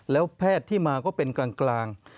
แล้วแพทย์ที่มาก็เป็นกลาง